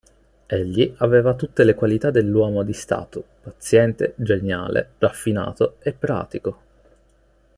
Egli aveva tutte le qualità dell'uomo di Stato: paziente, geniale, raffinato e pratico.